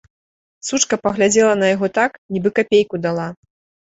Сучка паглядзела на яго так, нібы капейку дала.